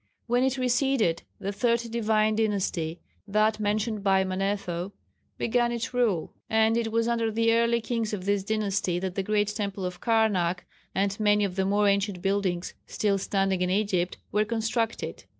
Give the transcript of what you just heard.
When it receded the third "Divine Dynasty" that mentioned by Manetho began its rule, and it was under the early kings of this dynasty that the great Temple of Karnak and many of the more ancient buildings still standing in Egypt were constructed.